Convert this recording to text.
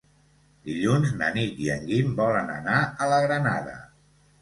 Dilluns na Nit i en Guim volen anar a la Granada.